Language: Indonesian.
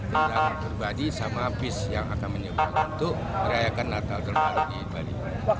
kendaraan pribadi sama bus yang akan menyeberang untuk merayakan natal dan tahun baru di bali